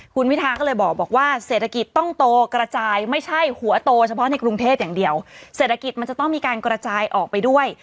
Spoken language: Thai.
คุณวิทาก็เลยบอกว่าเศรษฐกิจต้องโตกระจายไม่ใช่หัวโตเฉพาะในกรุงเทพอย่างเดียวเศรษฐกิจมันจะต้องมีการกระจายออกไปด้วย